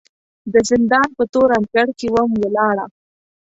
د زندان په تور انګړ کې وم ولاړه